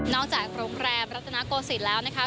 นอกจากโรงแรมรัตนโกสิตแล้วนะคะ